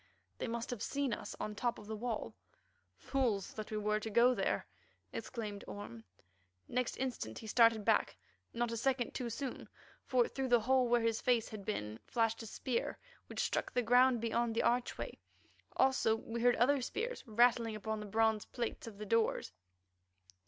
They must have seen us on the top of the wall. "Fools that we were to go there!" exclaimed Orme. Next instant he started back, not a second too soon, for through the hole where his face had been, flashed a spear which struck the ground beyond the archway. Also we heard other spears rattle upon the bronze plates of the doors.